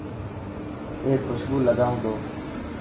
اي خوشبو لگائون تو.